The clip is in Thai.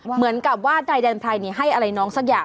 เหมือนกับว่านายแดนไพรให้อะไรน้องสักอย่าง